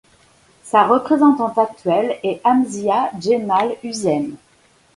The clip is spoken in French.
Sa représentante actuelle est Hamzya Jemal Husen.